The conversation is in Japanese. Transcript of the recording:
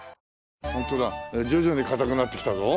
本当だ徐々に硬くなってきたぞ。